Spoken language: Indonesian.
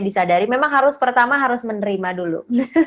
disadari memang harus pertama harus menerima dulu